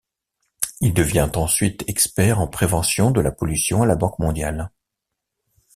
Il devient ensuite expert en prévention de la pollution à la Banque mondiale.